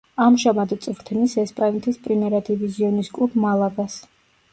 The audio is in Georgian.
ამჟამად წვრთნის ესპანეთის პრიმერა დივიზიონის კლუბ „მალაგას“.